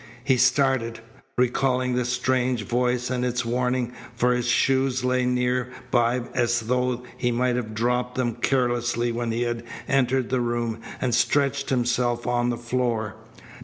He started, recalling the strange voice and its warning, for his shoes lay near by as though he might have dropped them carelessly when he had entered the room and stretched himself on the floor.